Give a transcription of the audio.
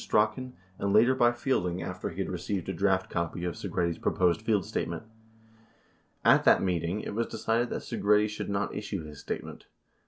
182 later by Fielding after he had received a draft copy of Segretti's proposed press statement. At that meeting it was decided that Segretti should not issue his statement.